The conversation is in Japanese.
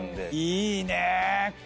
いいね！